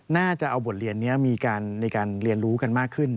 น่าจะเอาบทเรียนนี้มีการเรียนรู้กันมากขึ้น